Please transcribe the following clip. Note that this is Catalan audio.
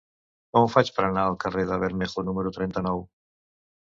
Com ho faig per anar al carrer de Bermejo número trenta-nou?